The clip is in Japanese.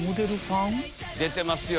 出てますよ